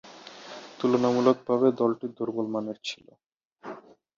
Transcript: তুলনামূলকভাবে দলটি দূর্বলমানের ছিল।